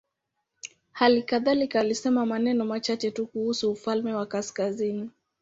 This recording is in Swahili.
Hali kadhalika alisema maneno machache tu kuhusu ufalme wa kaskazini.